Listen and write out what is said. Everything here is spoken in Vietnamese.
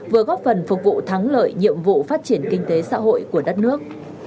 vừa góp phần phục vụ thắng lợi nhiệm vụ phát triển kinh tế xã hội của đất nước